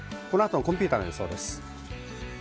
このあとのコンピュータの予想です。